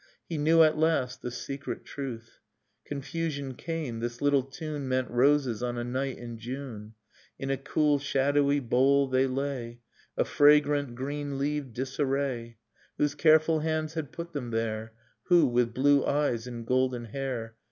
He knew at last the secret truth. Confusion came ... This little tune Meant roses on a night in June ... In a cool shadowy bowl they lay, A fragrant green leaved disarray. Whose careful hands had put them there, — Who, with blue eyes and golden hair?